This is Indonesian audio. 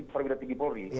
perwira tinggi polri